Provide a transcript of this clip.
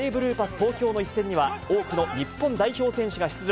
東京の一戦には、多くの日本代表選手が出場。